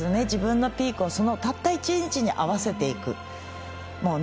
自分のピークをたった１日に合わせていくのは。